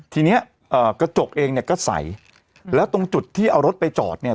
ทีเนี้ยเอ่อกระจกเองเนี่ยก็ใสแล้วตรงจุดที่เอารถไปจอดเนี่ย